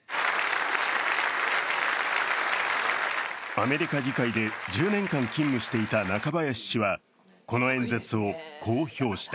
アメリカ議会で１０年間勤務していた中林氏は、この演説をこう評した。